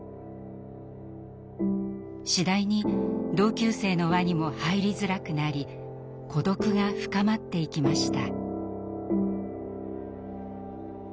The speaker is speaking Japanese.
次第に同級生の輪にも入りづらくなり孤独が深まっていきました。